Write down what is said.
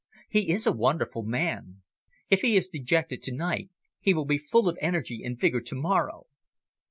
"He is a wonderful man. If he is dejected to night, he will be full of energy and vigour to morrow."